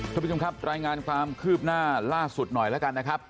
สวัสดีค่ะตรายงานความคืบหน้าล่าสุดหน่อยเรากันครับ